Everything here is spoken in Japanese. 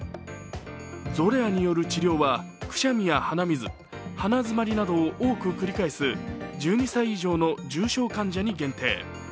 ゾレアによる治療はくしゃみや鼻水、鼻づまりなどを多く繰り返す１２歳以上の重症患者に限定。